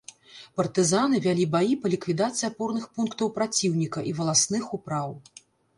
Партызаны вялі баі па ліквідацыі апорных пунктаў праціўніка і валасных упраў.